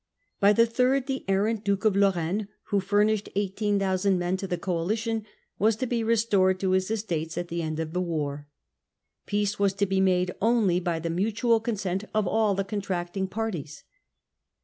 By the third, the errant Duke of Lorraine, who furnished 18,000 men to the coalition, was to be restored to his estates at the end of the war. Peace was to be made only by the mutual consent of all the contract ing powers.